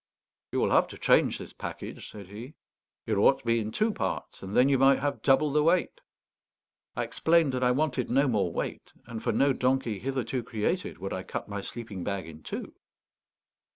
"You will have to change this package," said he; "it ought to be in two parts, and then you might have double the weight." I explained that I wanted no more weight; and for no donkey hitherto created would I cut my sleeping bag in two.